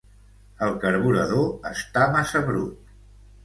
El carburador està massa brut.